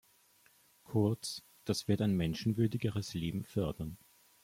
Kurz, das wird ein menschenwürdigeres Leben fördern.